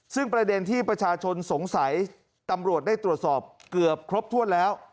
ซึ่งประเด็นที่ประชาชนสงสัยตำรวจได้ตรวจสอบเกือบครบถ้วนแล้ว